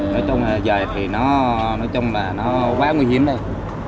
nói chung là về thì nó nói chung là nó quá nguy hiểm đây